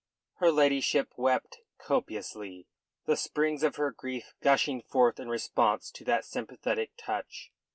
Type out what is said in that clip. Her ladyship wept copiously, the springs of her grief gushing forth in response to that sympathetic touch.